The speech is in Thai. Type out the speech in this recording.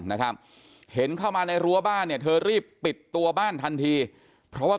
นะครับเห็นเข้ามาในรั้วบ้านเนี่ยเธอรีบปิดตัวบ้านทันทีเพราะว่า